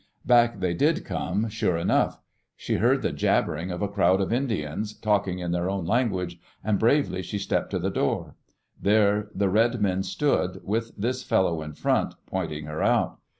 Back they did come, sure enough. She heard the jab bering of a crowd of Indians, talking in their own lan guage, and bravely she stepped to the door. There the red men stood, with this fellow in front, pointing her out.